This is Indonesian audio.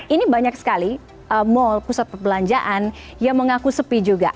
ini banyak sekali mall pusat perbelanjaan yang mengaku sepi juga